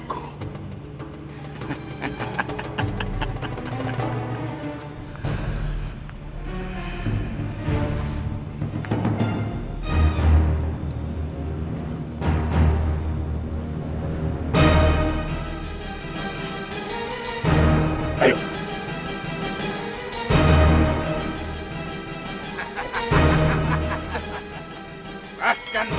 aku akan memperbaiki dirimu